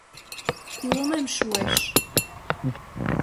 Илымем шуэш!